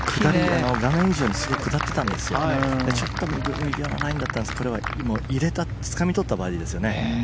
画面以上にすごく下っていたんですがちょっと右のラインだったんですけどつかみ取ったバーディーですね。